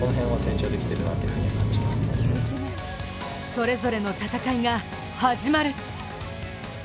それぞれの戦いが始まる。